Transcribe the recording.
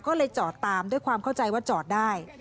ก็เลยจอดตามด้วยความเข้าใจว่าจอดได้